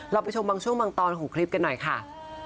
ไปชมบางช่วงบางตอนของคลิปกันหน่อยค่ะ